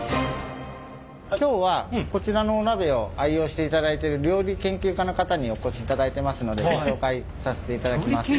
今日はこちらのお鍋を愛用していただいている料理研究家の方にお越しいただいてますのでご紹介させていただきます。